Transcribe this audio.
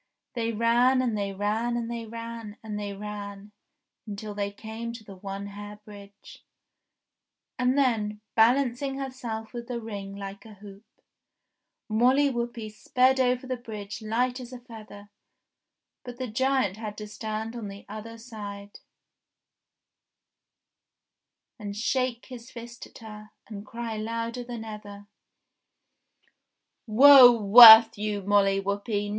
They ran, and they ran, and they ran, and they ran, until they came to the One Hair Bridge. And then, balancing herself with the ring like a hoop, Molly Whuppie sped over the bridge light as a feather, but the giant MOLLY WHUPPIE AND THE GIANT 345 had to stand on the other side, and shake his fist at her, and cry louder than ever : "Woe worth you, Molly Whuppie